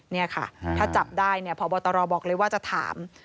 นี่ค่ะถ้าจับได้เนี่ยพบตรบอกเลยว่าจะถาม